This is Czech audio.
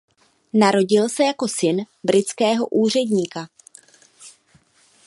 Narodil se jako syn britského úředníka.